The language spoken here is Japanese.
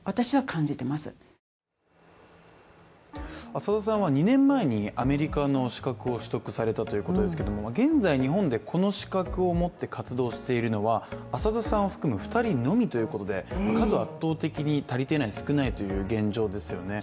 浅田さんは２年前に、アメリカの資格を取得されたということですけれども現在、日本でこの資格を持って活動しているのは浅田さんを含む２人のみということで数は圧倒的に足りていない、少ないという現状ですよね。